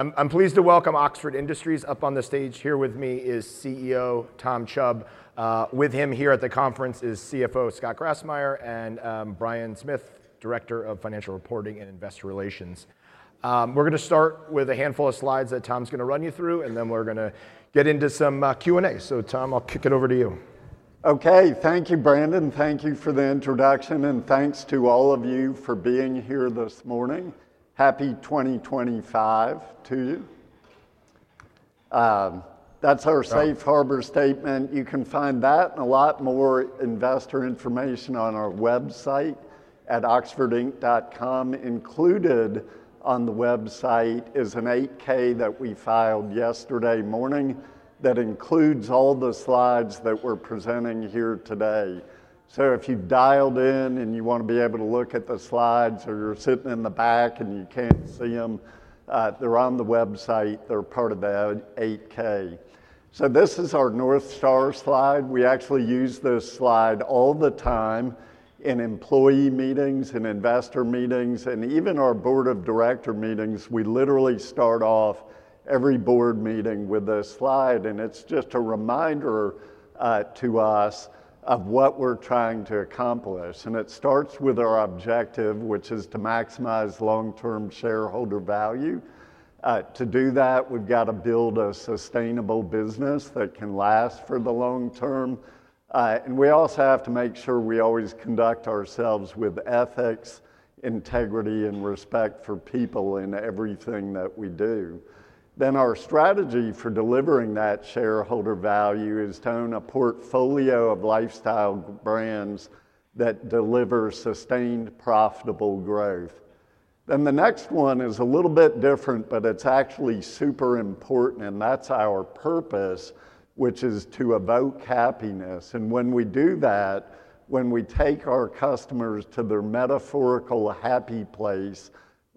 I'm pleased to welcome Oxford Industries. Up on the stage here with me is CEO Tom Chubb. With him here at the conference is CFO Scott Grassmyer and Brian Smith, Director of Financial Reporting and Investor Relations. We're going to start with a handful of slides that Tom's going to run you through, and then we're going to get into some Q&A. So, Tom, I'll kick it over to you. Okay. Thank you, Brandon. Thank you for the introduction, and thanks to all of you for being here this morning. Happy 2025 to you. That's our Safe Harbor Statement. You can find that and a lot more investor information on our website at oxfordinc.com. Included on the website is an 8-K that we filed yesterday morning that includes all the slides that we're presenting here today. So if you've dialed in and you want to be able to look at the slides, or you're sitting in the back and you can't see them, they're on the website. They're part of the 8-K. So this is our North Star slide. We actually use this slide all the time in employee meetings, in investor meetings, and even our board of directors meetings. We literally start off every board meeting with this slide, and it's just a reminder to us of what we're trying to accomplish. And it starts with our objective, which is to maximize long-term shareholder value. To do that, we've got to build a sustainable business that can last for the long term. And we also have to make sure we always conduct ourselves with ethics, integrity, and respect for people in everything that we do. Then our strategy for delivering that shareholder value is to own a portfolio of lifestyle brands that deliver sustained, profitable growth. Then the next one is a little bit different, but it's actually super important, and that's our purpose, which is to evoke happiness. And when we do that, when we take our customers to their metaphorical happy place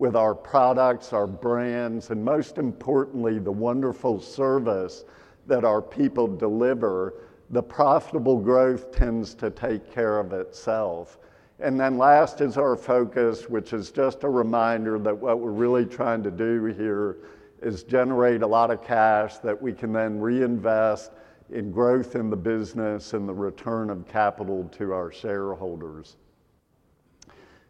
with our products, our brands, and most importantly, the wonderful service that our people deliver, the profitable growth tends to take care of itself. And then last is our focus, which is just a reminder that what we're really trying to do here is generate a lot of cash that we can then reinvest in growth in the business and the return of capital to our shareholders.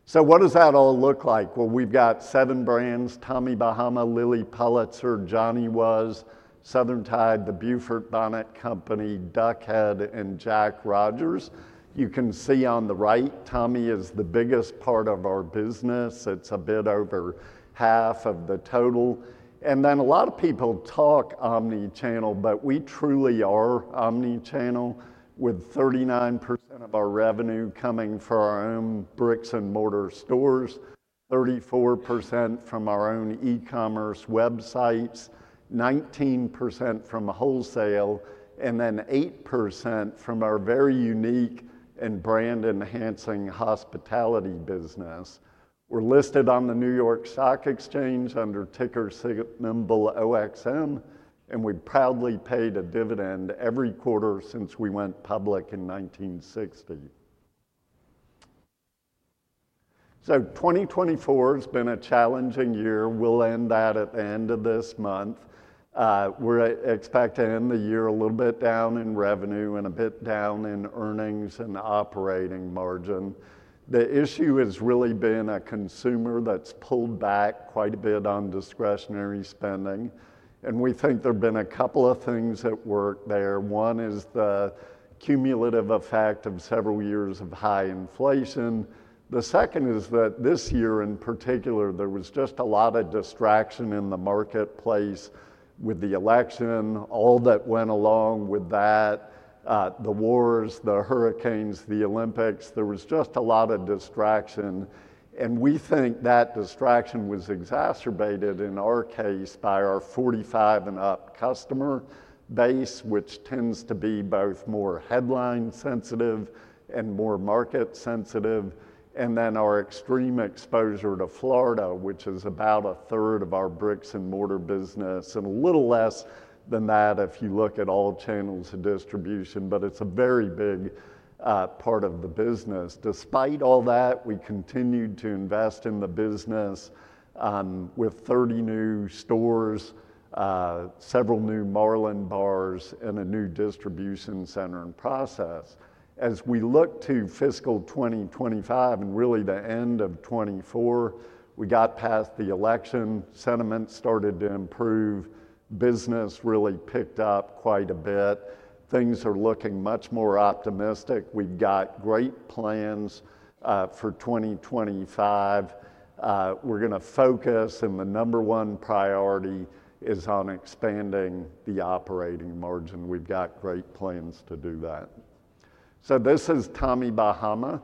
So what does that all look like? Well, we've got seven brands: Tommy Bahama, Lilly Pulitzer, Johnny Was, Southern Tide, The Beaufort Bonnet Company, Duck Head, and Jack Rogers. You can see on the right, Tommy is the biggest part of our business. It's a bit over half of the total. Then a lot of people talk omnichannel, but we truly are omnichannel, with 39% of our revenue coming from our own bricks-and-mortar stores, 34% from our own e-commerce websites, 19% from wholesale, and then 8% from our very unique and brand-enhancing hospitality business. We're listed on the New York Stock Exchange under ticker symbol OXM, and we've proudly paid a dividend every quarter since we went public in 1960. So 2024 has been a challenging year. We'll end that at the end of this month. We expect to end the year a little bit down in revenue and a bit down in earnings and operating margin. The issue has really been a consumer that's pulled back quite a bit on discretionary spending, and we think there have been a couple of things at work there. One is the cumulative effect of several years of high inflation. The second is that this year in particular, there was just a lot of distraction in the marketplace with the election, all that went along with that, the wars, the hurricanes, the Olympics. There was just a lot of distraction, and we think that distraction was exacerbated, in our case, by our 45-and-up customer base, which tends to be both more headline sensitive and more market sensitive, and then our extreme exposure to Florida, which is about a third of our bricks-and-mortar business, and a little less than that if you look at all channels of distribution, but it's a very big part of the business. Despite all that, we continued to invest in the business with 30 new stores, several new Marlin Bars, and a new distribution center in process. As we look to fiscal 2025 and really the end of 2024, we got past the election, sentiment started to improve, business really picked up quite a bit. Things are looking much more optimistic. We've got great plans for 2025. We're going to focus, and the number one priority is on expanding the operating margin. We've got great plans to do that. So this is Tommy Bahama.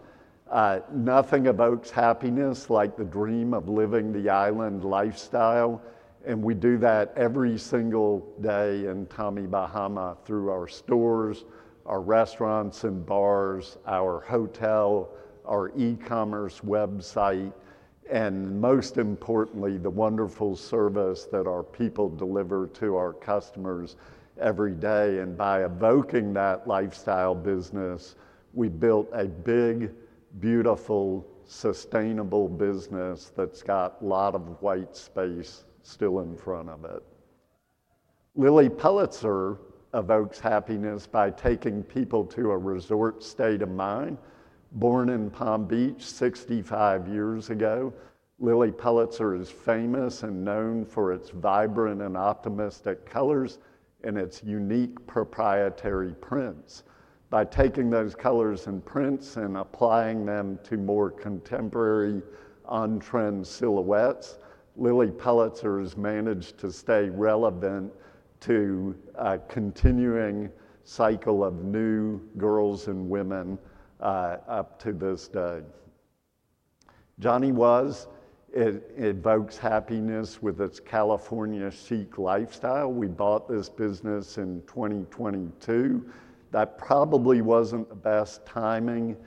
Nothing evokes happiness like the dream of living the island lifestyle, and we do that every single day in Tommy Bahama through our stores, our restaurants and bars, our hotel, our e-commerce website, and most importantly, the wonderful service that our people deliver to our customers every day, and by evoking that lifestyle business, we built a big, beautiful, sustainable business that's got a lot of white space still in front of it. Lilly Pulitzer evokes happiness by taking people to a resort state of mind. Born in Palm Beach 65 years ago, Lilly Pulitzer is famous and known for its vibrant and optimistic colors and its unique proprietary prints. By taking those colors and prints and applying them to more contemporary, on-trend silhouettes, Lilly Pulitzer has managed to stay relevant to a continuing cycle of new girls and women up to this day. Johnny Was evokes happiness with its California Chic lifestyle. We bought this business in 2022. That probably wasn't the best timing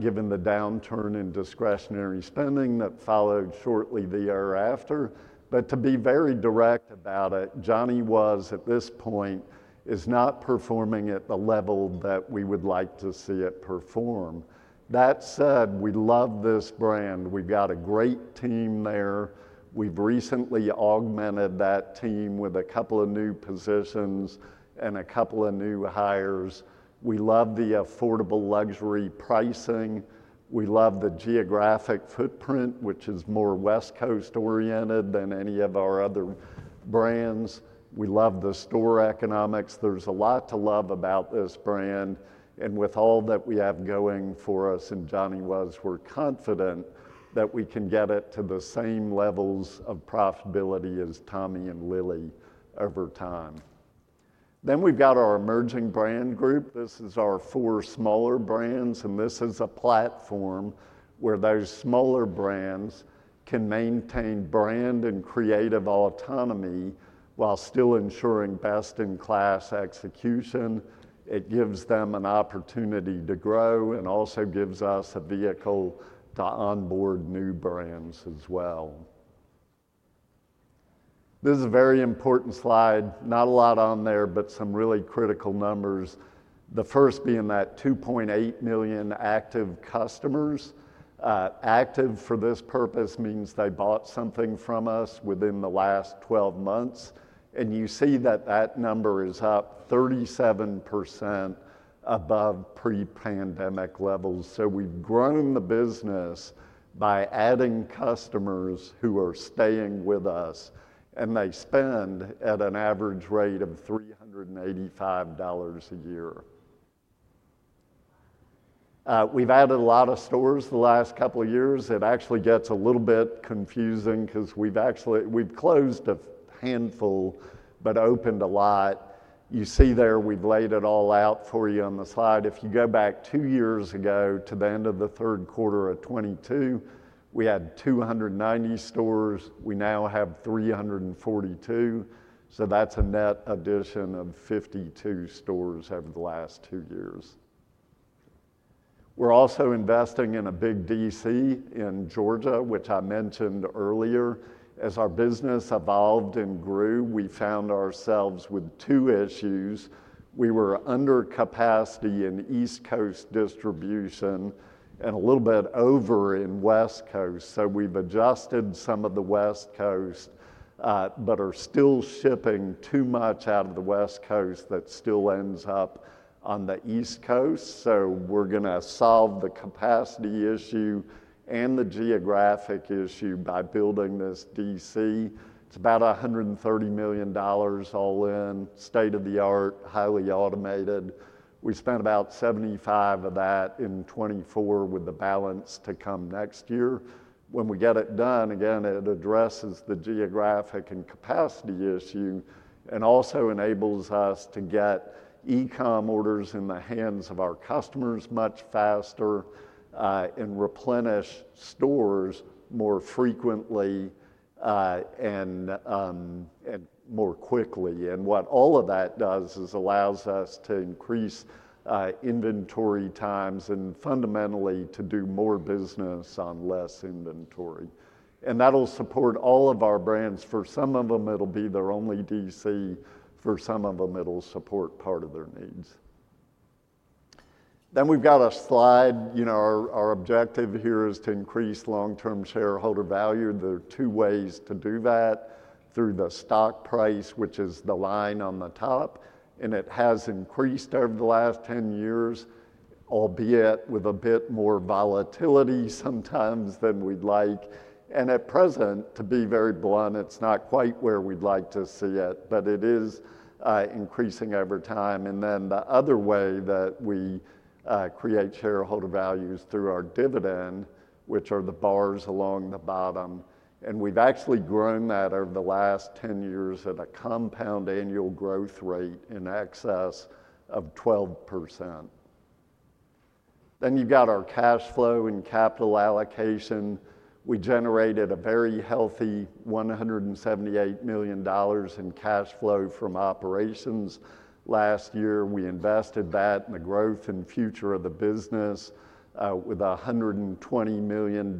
given the downturn in discretionary spending that followed shortly the year after. But to be very direct about it, Johnny Was at this point is not performing at the level that we would like to see it perform. That said, we love this brand. We've got a great team there. We've recently augmented that team with a couple of new positions and a couple of new hires. We love the affordable luxury pricing. We love the geographic footprint, which is more West Coast oriented than any of our other brands. We love the store economics. There's a lot to love about this brand, and with all that we have going for us and Johnny Was, we're confident that we can get it to the same levels of profitability as Tommy and Lilly over time, then we've got our emerging brand group. This is our four smaller brands, and this is a platform where those smaller brands can maintain brand and creative autonomy while still ensuring best-in-class execution. It gives them an opportunity to grow and also gives us a vehicle to onboard new brands as well. This is a very important slide. Not a lot on there, but some really critical numbers, the first being that 2.8 million active customers. Active for this purpose means they bought something from us within the last 12 months, and you see that that number is up 37% above pre-pandemic levels, so we've grown the business by adding customers who are staying with us, and they spend at an average rate of $385 a year. We've added a lot of stores the last couple of years. It actually gets a little bit confusing because we've actually closed a handful but opened a lot. You see there we've laid it all out for you on the slide. If you go back two years ago to the end of the third quarter of 2022, we had 290 stores. We now have 342, so that's a net addition of 52 stores over the last two years. We're also investing in a big DC in Georgia, which I mentioned earlier. As our business evolved and grew, we found ourselves with two issues. We were under capacity in East Coast distribution and a little bit over in West Coast. So we've adjusted some of the West Coast but are still shipping too much out of the West Coast that still ends up on the East Coast. So we're going to solve the capacity issue and the geographic issue by building this DC. It's about $130 million all in, state-of-the-art, highly automated. We spent about $75 million of that in 2024 with the balance to come next year. When we get it done, again, it addresses the geographic and capacity issue and also enables us to get e-comm orders in the hands of our customers much faster and replenish stores more frequently and more quickly. And what all of that does is allows us to increase inventory times and fundamentally to do more business on less inventory. And that'll support all of our brands. For some of them, it'll be their only DC. For some of them, it'll support part of their needs. Then we've got a slide. Our objective here is to increase long-term shareholder value. There are two ways to do that: through the stock price, which is the line on the top, and it has increased over the last 10 years, albeit with a bit more volatility sometimes than we'd like. And at present, to be very blunt, it's not quite where we'd like to see it, but it is increasing over time. And then the other way that we create shareholder value is through our dividend, which are the bars along the bottom. We've actually grown that over the last 10 years at a compound annual growth rate in excess of 12%. You've got our cash flow and capital allocation. We generated a very healthy $178 million in cash flow from operations last year. We invested that in the growth and future of the business with $120 million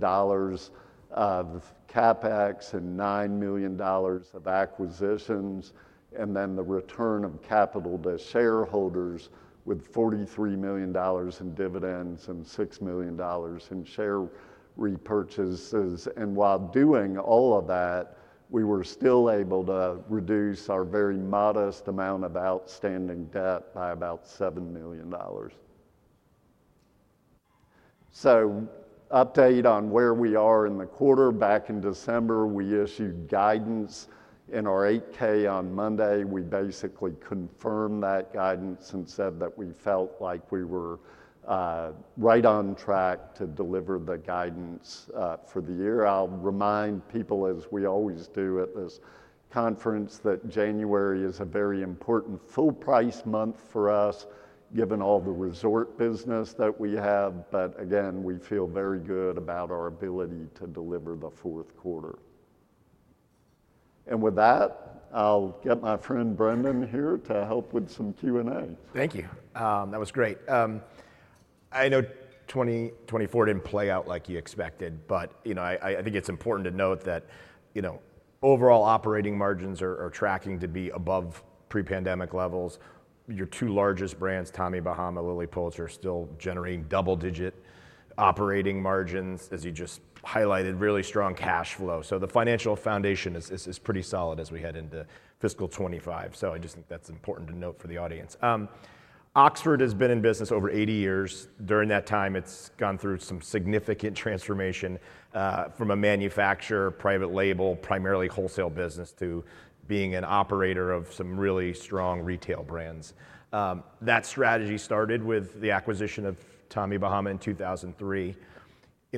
of CapEx and $9 million of acquisitions, and then the return of capital to shareholders with $43 million in dividends and $6 million in share repurchases. While doing all of that, we were still able to reduce our very modest amount of outstanding debt by about $7 million. Update on where we are in the quarter. Back in December, we issued guidance in our 8-K on Monday. We basically confirmed that guidance and said that we felt like we were right on track to deliver the guidance for the year. I'll remind people, as we always do at this conference, that January is a very important full-price month for us, given all the resort business that we have. But again, we feel very good about our ability to deliver the fourth quarter. And with that, I'll get my friend Brandon here to help with some Q&A. Thank you. That was great. I know 2024 didn't play out like you expected, but I think it's important to note that overall operating margins are tracking to be above pre-pandemic levels. Your two largest brands, Tommy Bahama, Lilly Pulitzer, are still generating double-digit operating margins, as you just highlighted, really strong cash flow. So the financial foundation is pretty solid as we head into fiscal '25. So I just think that's important to note for the audience. Oxford has been in business over 80 years. During that time, it's gone through some significant transformation from a manufacturer, private label, primarily wholesale business, to being an operator of some really strong retail brands. That strategy started with the acquisition of Tommy Bahama in 2003.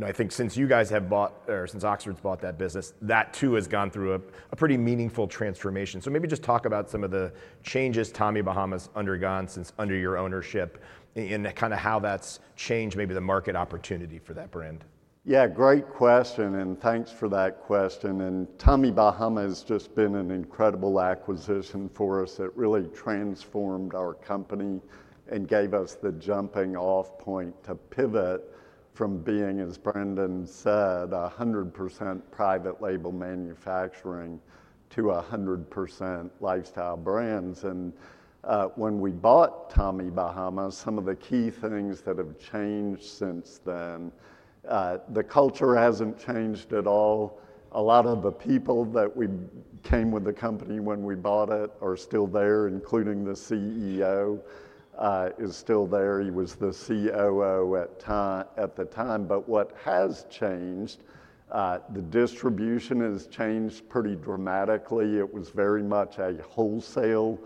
I think since you guys have bought, or since Oxford's bought that business, that too has gone through a pretty meaningful transformation. So maybe just talk about some of the changes Tommy Bahama's undergone since under your ownership and kind of how that's changed maybe the market opportunity for that brand. Yeah, great question, and thanks for that question. And Tommy Bahama has just been an incredible acquisition for us that really transformed our company and gave us the jumping-off point to pivot from being, as Brandon said, 100% private label manufacturing to 100% lifestyle brands. And when we bought Tommy Bahama, some of the key things that have changed since then, the culture hasn't changed at all. A lot of the people that came with the company when we bought it are still there, including the CEO is still there. He was the COO at the time. But what has changed, the distribution has changed pretty dramatically. It was very much a wholesale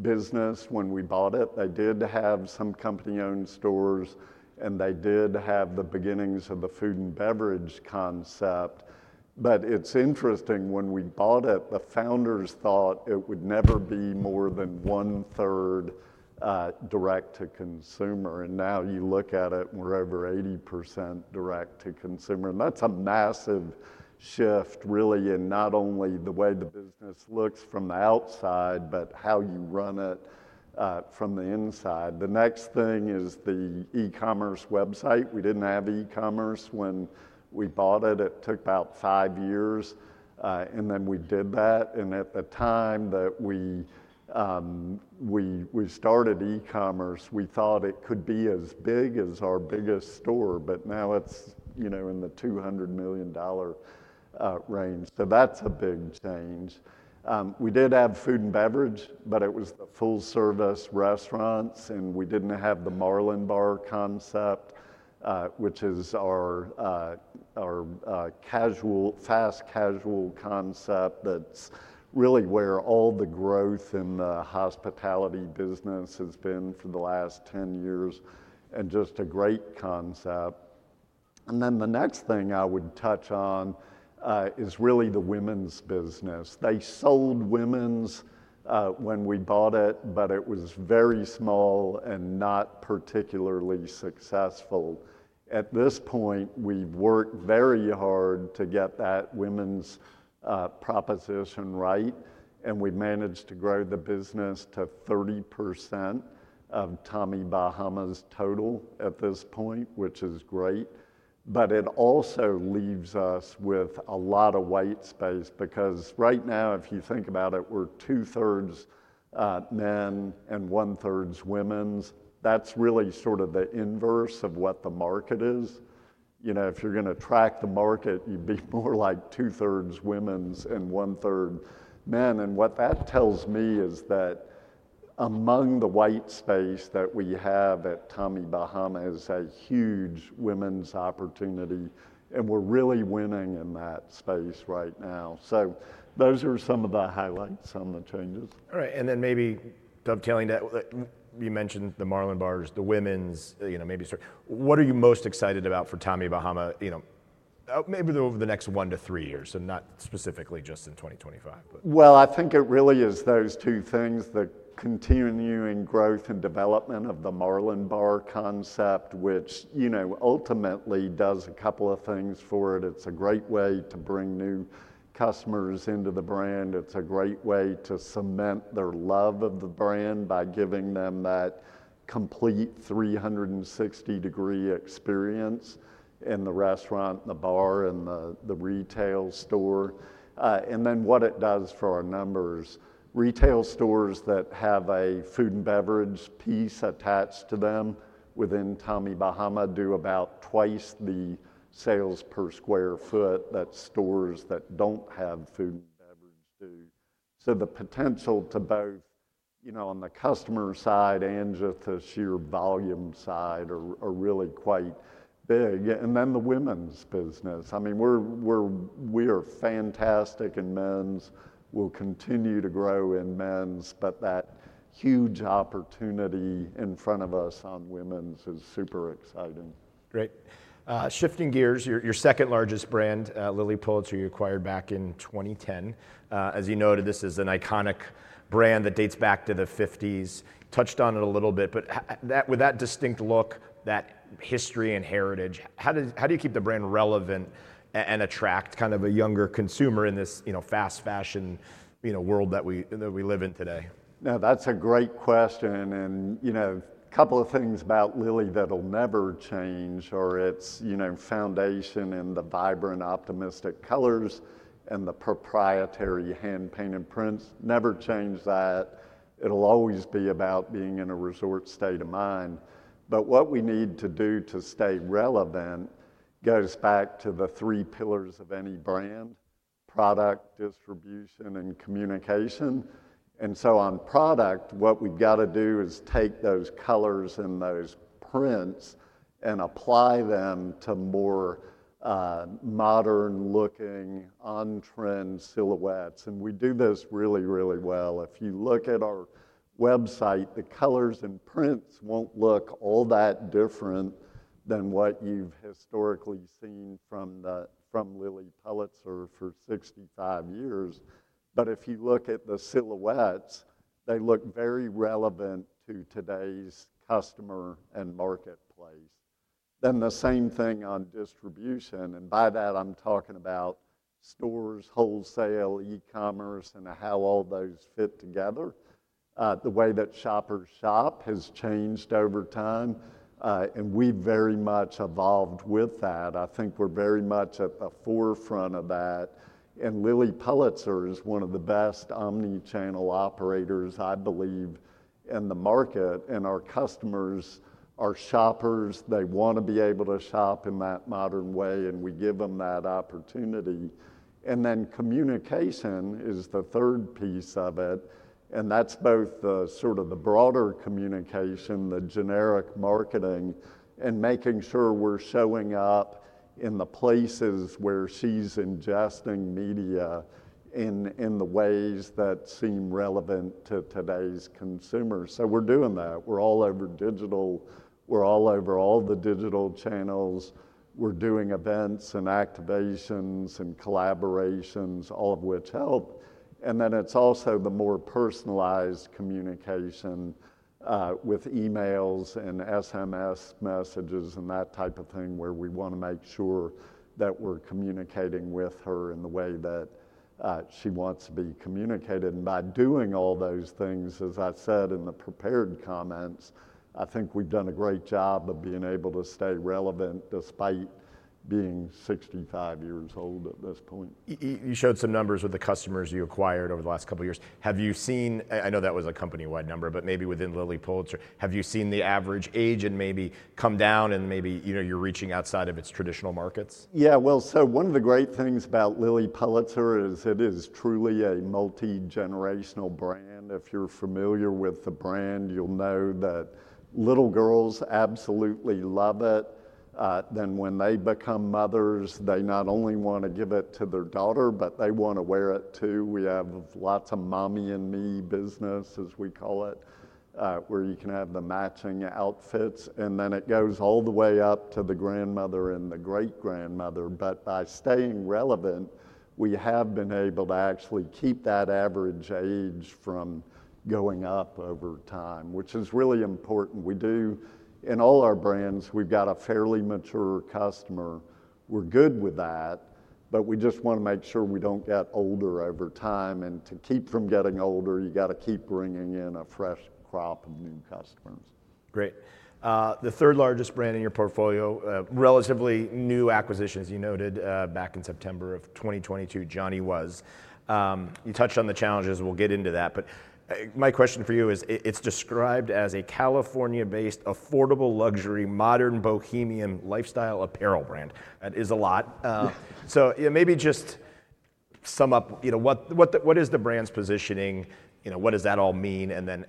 business when we bought it. They did have some company-owned stores, and they did have the beginnings of the food and beverage concept. But it's interesting, when we bought it, the founders thought it would never be more than one-third direct-to-consumer. And now you look at it, we're over 80% direct-to-consumer. And that's a massive shift, really, in not only the way the business looks from the outside, but how you run it from the inside. The next thing is the e-commerce website. We didn't have e-commerce when we bought it. It took about five years, and then we did that. And at the time that we started e-commerce, we thought it could be as big as our biggest store, but now it's in the $200 million range. So that's a big change. We did have food and beverage, but it was the full-service restaurants, and we didn't have the Marlin Bar concept, which is our fast casual concept that's really where all the growth in the hospitality business has been for the last 10 years and just a great concept, and then the next thing I would touch on is really the women's business. They sold women's when we bought it, but it was very small and not particularly successful. At this point, we've worked very hard to get that women's proposition right, and we've managed to grow the business to 30% of Tommy Bahama's total at this point, which is great, but it also leaves us with a lot of white space because right now, if you think about it, we're two-thirds men and one-thirds women's. That's really sort of the inverse of what the market is. If you're going to track the market, you'd be more like two-thirds women's and one-third men. And what that tells me is that among the white space that we have at Tommy Bahama is a huge women's opportunity, and we're really winning in that space right now. So those are some of the highlights on the changes. All right, and then maybe dovetailing that, you mentioned the Marlin Bars, the women's, maybe what are you most excited about for Tommy Bahama maybe over the next one to three years and not specifically just in 2025? I think it really is those two things, the continuing growth and development of the Marlin Bar concept, which ultimately does a couple of things for it. It's a great way to bring new customers into the brand. It's a great way to cement their love of the brand by giving them that complete 360-degree experience in the restaurant, the bar, and the retail store. And then what it does for our numbers, retail stores that have a food and beverage piece attached to them within Tommy Bahama do about twice the sales per sq ft that stores that don't have food and beverage do. So the potential to both on the customer side and just the sheer volume side are really quite big. And then the women's business. I mean, we are fantastic in men's. We'll continue to grow in men's, but that huge opportunity in front of us on women's is super exciting. Great. Shifting gears, your second largest brand, Lilly Pulitzer, you acquired back in 2010. As you noted, this is an iconic brand that dates back to the 1950s. Touched on it a little bit, but with that distinct look, that history and heritage, how do you keep the brand relevant and attract kind of a younger consumer in this fast fashion world that we live in today? No, that's a great question, and a couple of things about Lilly that'll never change are its foundation and the vibrant optimistic colors and the proprietary hand-painted prints. Never change that. It'll always be about being in a resort state of mind, but what we need to do to stay relevant goes back to the three pillars of any brand: product, distribution, and communication, and so on product, what we've got to do is take those colors and those prints and apply them to more modern-looking, on-trend silhouettes, and we do this really, really well. If you look at our website, the colors and prints won't look all that different than what you've historically seen from Lilly Pulitzer for 65 years, but if you look at the silhouettes, they look very relevant to today's customer and marketplace, then the same thing on distribution. And by that, I'm talking about stores, wholesale, e-commerce, and how all those fit together. The way that shoppers shop has changed over time, and we've very much evolved with that. I think we're very much at the forefront of that. And Lilly Pulitzer is one of the best omnichannel operators, I believe, in the market. And our customers are shoppers. They want to be able to shop in that modern way, and we give them that opportunity. And then communication is the third piece of it. And that's both sort of the broader communication, the generic marketing, and making sure we're showing up in the places where she's ingesting media in the ways that seem relevant to today's consumers. So we're doing that. We're all over digital. We're all over all the digital channels. We're doing events and activations and collaborations, all of which help. And then it's also the more personalized communication with emails and SMS messages and that type of thing where we want to make sure that we're communicating with her in the way that she wants to be communicated. And by doing all those things, as I said in the prepared comments, I think we've done a great job of being able to stay relevant despite being 65 years old at this point. You showed some numbers with the customers you acquired over the last couple of years. Have you seen, I know that was a company-wide number, but maybe within Lilly Pulitzer, have you seen the average age and maybe come down and maybe you're reaching outside of its traditional markets? Yeah, well, so one of the great things about Lilly Pulitzer is it is truly a multi-generational brand. If you're familiar with the brand, you'll know that little girls absolutely love it, then when they become mothers, they not only want to give it to their daughter, but they want to wear it too. We have lots of Mommy and Me business, as we call it, where you can have the matching outfits, and then it goes all the way up to the grandmother and the great-grandmother, but by staying relevant, we have been able to actually keep that average age from going up over time, which is really important. We do, in all our brands, we've got a fairly mature customer. We're good with that, but we just want to make sure we don't get older over time. And to keep from getting older, you got to keep bringing in a fresh crop of new customers. Great. The third largest brand in your portfolio, relatively new acquisition, you noted back in September of 2022, Johnny Was. You touched on the challenges. We'll get into that. But my question for you is, it's described as a California-based, affordable luxury, modern bohemian lifestyle apparel brand. That is a lot, so maybe just sum up, what is the brand's positioning? What does that all mean? And then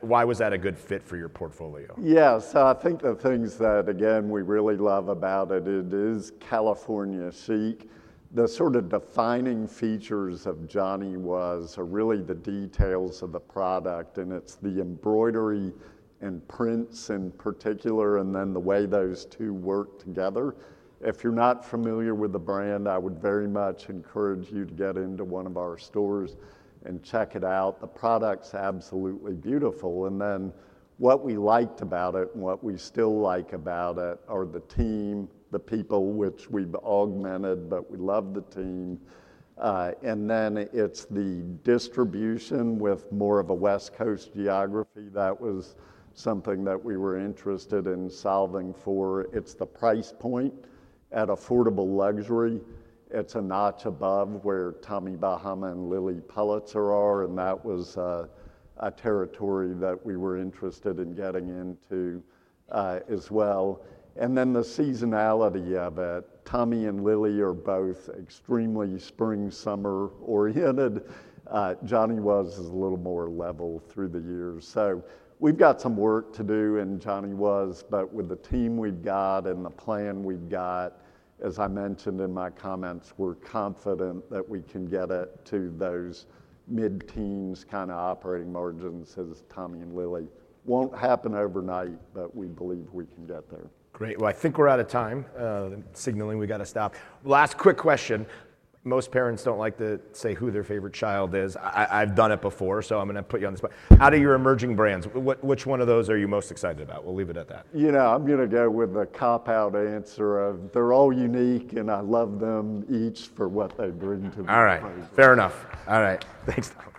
why was that a good fit for your portfolio? Yeah. So I think the things that, again, we really love about it, it is California Chic. The sort of defining features of Johnny Was really the details of the product, and it's the embroidery and prints in particular, and then the way those two work together. If you're not familiar with the brand, I would very much encourage you to get into one of our stores and check it out. The product's absolutely beautiful. And then what we liked about it and what we still like about it are the team, the people, which we've augmented, but we love the team. And then it's the distribution with more of a West Coast geography. That was something that we were interested in solving for. It's the price point at affordable luxury. It's a notch above where Tommy Bahama and Lilly Pulitzer are, and that was a territory that we were interested in getting into as well, and then the seasonality of it. Tommy and Lilly are both extremely spring-summer oriented. Johnny Was a little more level through the years. So we've got some work to do, and Johnny Was, but with the team we've got and the plan we've got, as I mentioned in my comments, we're confident that we can get it to those mid-teens kind of operating margins as Tommy and Lilly. Won't happen overnight, but we believe we can get there. Great. Well, I think we're out of time, signaling we got to stop. Last quick question. Most parents don't like to say who their favorite child is. I've done it before, so I'm going to put you on the spot. Out of your emerging brands, which one of those are you most excited about? We'll leave it at that. You know, I'm going to go with the cop-out answer of they're all unique, and I love them each for what they bring to the table. All right. Fair enough. All right. Thanks, Tom.